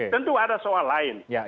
tentu ada soal lain